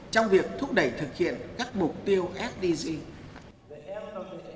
trong việc thúc đẩy thực hiện các mục tiêu sdg